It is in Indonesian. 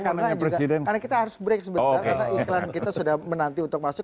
karena kita harus break sebentar karena iklan kita sudah menanti untuk masuk